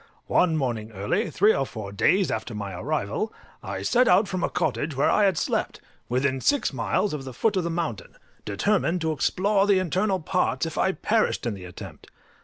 One morning early, three or four days after my arrival, I set out from a cottage where I had slept, within six miles of the foot of the mountain, determined to explore the internal parts, if I perished in the attempt.